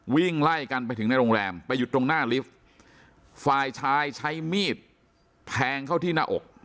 วิ่งไล่กันไปถึงในโรงแรมไปหยุดตรงหน้าลิฟท์ฝ่ายชายใช้มีดแทงเข้าที่หน้าอก